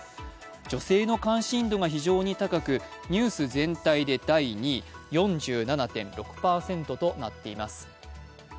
女性の関心度が非常に高く、ニュース全体で第２位、４７．６％となっています。